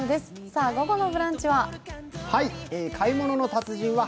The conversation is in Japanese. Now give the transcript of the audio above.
さあ、午後の「ブランチ」は？